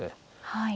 はい。